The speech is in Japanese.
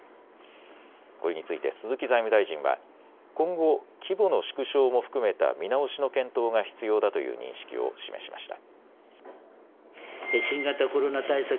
これについて鈴木財務大臣は今後、規模の縮小も含めた見直しの検討が必要だという認識を示しました。